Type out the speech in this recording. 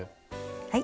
はい。